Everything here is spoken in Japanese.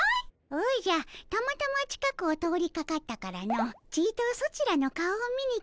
おじゃたまたま近くを通りかかったからのちとソチらの顔を見に来たのじゃ。